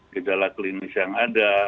tidaklah klinis yang ada